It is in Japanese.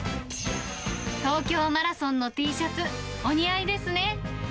東京マラソンのＴシャツ、お似合いですね。